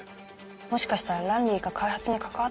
もしかしたらランリーが開発に関わってるのかも。